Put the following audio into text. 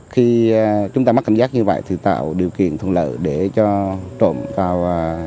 khi chúng ta mắc cảm giác như vậy thì tạo điều kiện thuận lợi để cho trộm vào